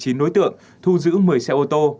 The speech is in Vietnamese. chín đối tượng thu giữ một mươi xe ô tô